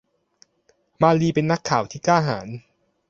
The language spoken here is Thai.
มารีเป็นนักข่าวที่กล้าหาญ